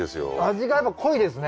味がやっぱ濃いですね。